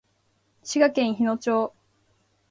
滋賀県日野町